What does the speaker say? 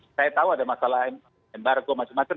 saya tahu ada masalah embargo macam macam